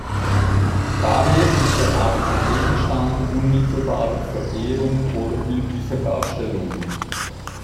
Daher ist er auch kein Gegenstand unmittelbarer Verehrung oder bildlicher Darstellungen.